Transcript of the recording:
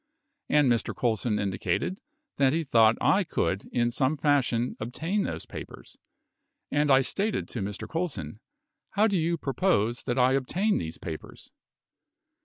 And Mr. Colson indicated that he thought that I could, in some fashion, obtain those papers. And I stated to Mr. Colson, how do you propose that I obtain these papers